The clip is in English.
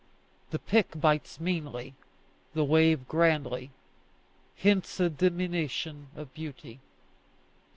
The pick bites meanly, the wave grandly; hence a diminution of beauty.